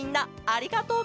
ありがとう！